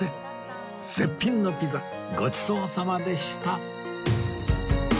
絶品のピザごちそうさまでした